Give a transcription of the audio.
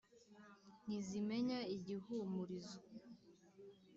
ntizimenya igihumurizo